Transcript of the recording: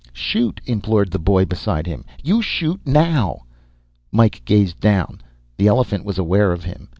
"Shoot!" implored the boy beside him. "You shoot, now!" Mike gazed down. The elephant was aware of him.